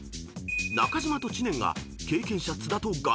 ［中島と知念が経験者津田とガチ対決］